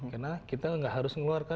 karena kita nggak harus ngeluarkan